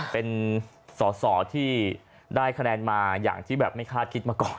เป็นสอสอที่ได้คะแนนมาอย่างที่แบบไม่คาดคิดมาก่อน